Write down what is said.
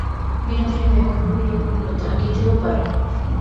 বিনোদিনী ব্যগ্র হইয়া কহিল, থাকিতেও পারে।